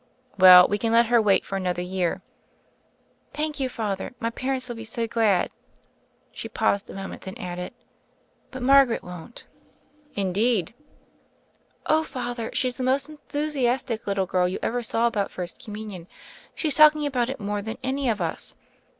"Well, we can let her wait for another year." "Thank you, Father, my parents will be so glad." She paused a moment, then added: "But Margaret won't." 96 THE FAIRY OF THE SNOWS "Indeed !" "Oh, Father, she's the most enthusiastic little girl you ever saw about First Communion; she's talking about it more than any of us.